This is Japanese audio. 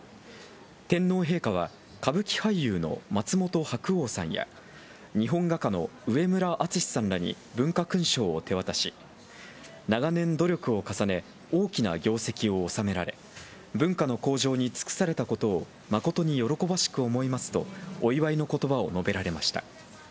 天皇陛下は、歌舞伎俳優の松本白鸚さんや、日本画家の上村淳之さんらに文化勲章を手渡し、長年努力を重ね、大きな業績を収められ、文化の向上に尽くされたことを誠に喜ばしく思いますと、お祝いのことばを述べられました。